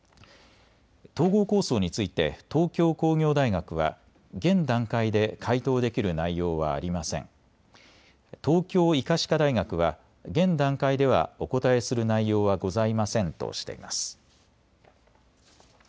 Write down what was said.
統合構想について東京工業大学は現段階で回答できる内容はありません、東京医科歯科大学は現段階ではお答えする内容はございませんとしています。